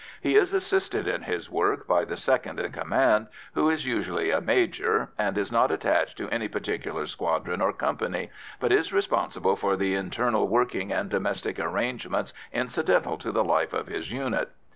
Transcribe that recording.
He is assisted in his work by the second in command, who is usually a major, and is not attached to any particular squadron or company, but is responsible for the internal working and domestic arrangements incidental to the life of his unit.